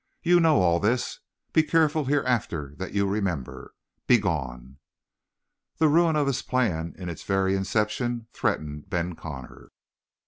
You know all this. Be careful hereafter that you remember. Be gone!" The ruin of his plan in its very inception threatened Ben Connor.